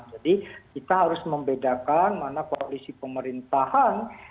jadi kita harus membedakan mana koalisi pemerintahan